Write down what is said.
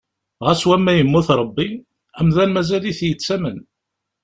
Ɣas wamma yemmut Ṛebbi, amdan mazal-it yettamen.